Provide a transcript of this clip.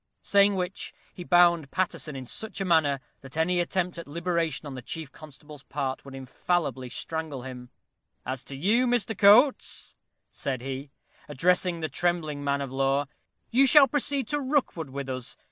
Saying which, he bound Paterson in such a manner, that any attempt at liberation on the chief constable's part would infallibly strangle him. "As to you, Mr. Coates," said he, addressing the trembling man of law, "you shall proceed to Rookwood with us.